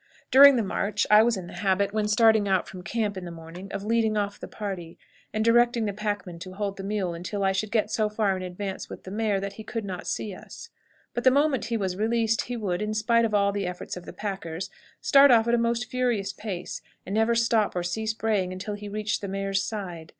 During the march I was in the habit, when starting out from camp in the morning, of leading off the party, and directing the packmen to hold the mule until I should get so far in advance with the mare that he could not see us; but the moment he was released he would, in spite of all the efforts of the packers, start off at a most furious pace, and never stop or cease braying until he reached the mare's side.